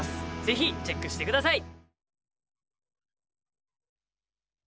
ぜひチェックして下さい！